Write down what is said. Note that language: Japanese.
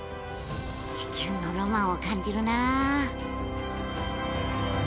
地球のロマンを感じるなあ。